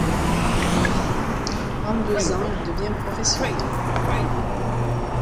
En deux ans, il devient professionnel.